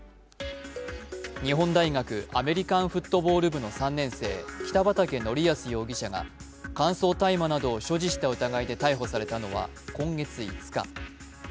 日本大学アメリカンフットボール部の３年生北畠成文容疑者が乾燥大麻などを所持した疑いで逮捕されたのは今月５日。